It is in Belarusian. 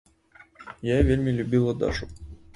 Я вельмі любіла дачу.